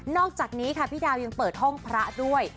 อกจากนี้ค่ะพี่ดาวยังเปิดห้องพระด้วย